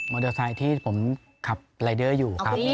เตอร์ไซค์ที่ผมขับรายเดอร์อยู่ครับ